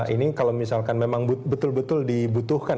ini kalau misalkan memang betul betul dibutuhkan